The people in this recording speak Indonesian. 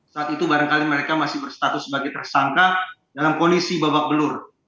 saat itu barangkali mereka masih berstatus sebagai tersangka dalam kondisi babak belur